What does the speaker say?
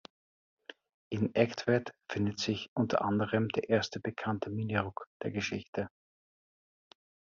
In Egtved findet sich unter anderem der erste bekannte Minirock der Geschichte.